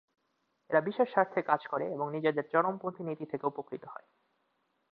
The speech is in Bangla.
এরা বিশেষ স্বার্থে কাজ করে এবং নিজেদের চরমপন্থী নীতি থেকে উপকৃত হয়।